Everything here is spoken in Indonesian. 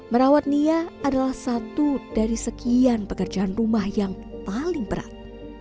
merawat nia adalah satu dari sekian pekerjaan rumah yang paling berat